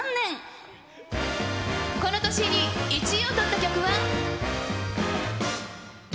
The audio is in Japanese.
この年に１位をとった曲は。